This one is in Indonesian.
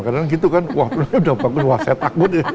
karena gitu kan wah penumpang udah bangun wah saya takut ya